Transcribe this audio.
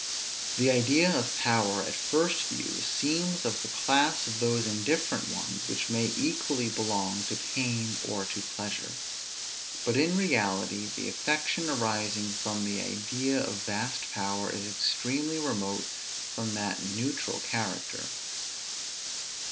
The idea of power, at first view, seems of the class of those indifferent ones, which may equally belong to pain or to pleasure. But in reality, the affection arising from the idea of vast power is extremely remote from that neutral character.